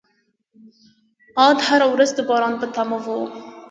عاد هره ورځ د باران په تمه وو.